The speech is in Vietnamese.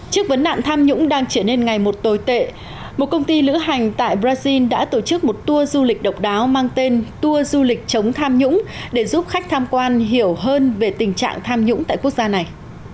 trước vấn nạn tham nhũng đang trở nên ngày một tồi tệ một công ty lữ hành tại brazil đã tổ chức một tour du lịch độc đáo mang tên tour du lịch chống tham nhũng để giúp khách tham quan hiểu hơn về tình trạng tham nhũng tại quốc gia này